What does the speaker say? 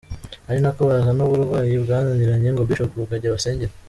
Ari nako bazana uburwayi bwananiranye ngo Bishop Rugagi Abasengere.